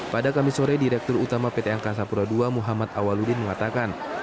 pada kamis sore direktur utama pt angkasa pura ii muhammad awaludin mengatakan